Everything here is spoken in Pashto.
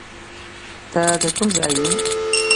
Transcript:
ته د کم ځای یې